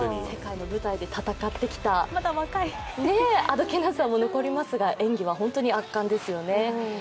世界の舞台で戦ってきたあどけなさも残りますが演技は本当に圧巻ですね。